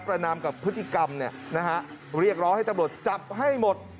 นามกับพฤติกรรมเนี่ยนะฮะเรียกร้องให้ตำรวจจับให้หมด